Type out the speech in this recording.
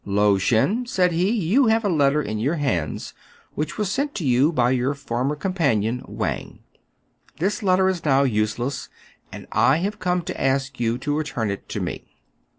"Lao Shen," said he, "you have a letter in your hands which was sent to you by your former companion, Wang. This letter is now useless, and I have come to ask you to return it to me."